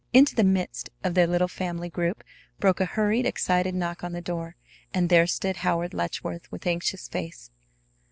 Into the midst of their little family group broke a hurried, excited knock on the door, and there stood Howard Letchworth with anxious face.